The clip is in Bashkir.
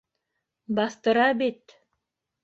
Баҫтыра бит!